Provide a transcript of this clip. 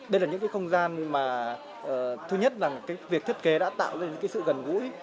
đây là những cái không gian mà thứ nhất là cái việc thiết kế đã tạo ra những cái sự gần gũi